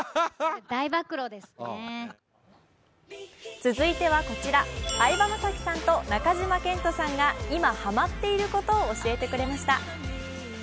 続いてはこちら、相葉雅紀さんと中島健人さんが今、ハマっていることを教えてくれました。